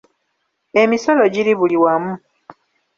Emisolo giri buli wamu.